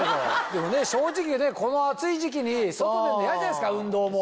でも正直ねこの暑い時期に外出るの嫌じゃないですか運動も。